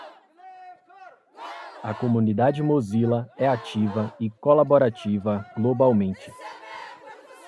A comunidade Mozilla é ativa e colaborativa globalmente.